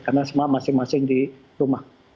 karena semua masing masing di rumah